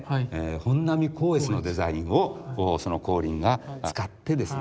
本阿弥光悦のデザインをその光琳が使ってですね